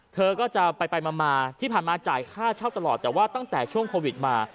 ที่ผ่านมาจ่ายค่าเช่าตลอดแต่ว่าตั้งแต่ช่วงโควิดมา